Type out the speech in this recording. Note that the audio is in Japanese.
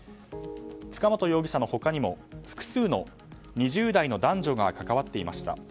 塚本容疑者の他にも複数の２０代の男女が関わっていました。